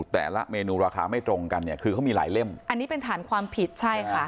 แต่ละเมนูราคาไม่ตรงกันเนี่ยคือเขามีหลายเล่มอันนี้เป็นฐานความผิดใช่ค่ะ